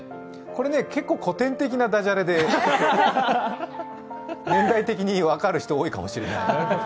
これね、結構、古典的なだじゃれで年代的に分かる人多いかもしれない。